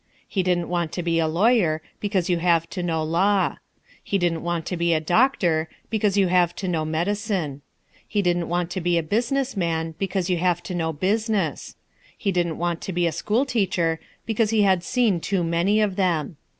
He didn't want to be a lawyer, because you have to know law. He didn't want to be a doctor, because you have to know medicine. He didn't want to be a business man, because you have to know business; and he didn't want to be a school teacher, because he had seen too many of them.